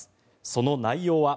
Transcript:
その内容は。